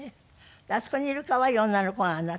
あそこにいる可愛い女の子があなた？